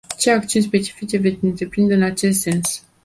Ce acțiuni specifice veți întreprinde în acest sens?